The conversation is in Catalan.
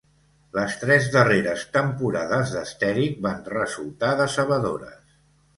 Les tres darreres temporades d'Estherick van resultar decebedores.